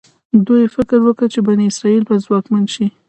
دوی فکر وکړ چې بني اسرایل به ځواکمن شي.